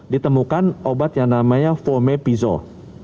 ditemukan obat yang namanya fomepizol